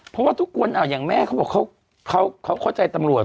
เพราะว่าทุกคนอย่างแม่เขาบอกเขาเข้าใจตำรวจ